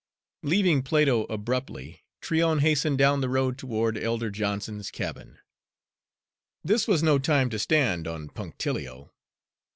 Leaving Plato abruptly, Tryon hastened down the road toward Elder Johnson's cabin. This was no time to stand on punctilio.